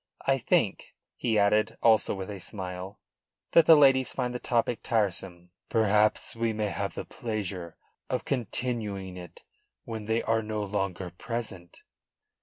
I think," he added, also with a smile, "that the ladies find the topic tiresome." "Perhaps we may have the pleasure of continuing it when they are no longer present."